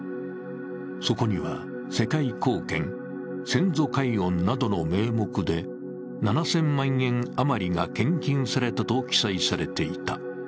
そこには世界貢献、先祖解怨などの名目で７０００万円余りが献金されたと記載されていた。